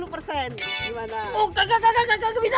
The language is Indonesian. oh enggak enggak enggak enggak enggak bisa